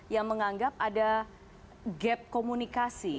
yang menganggap ada gap komunikasi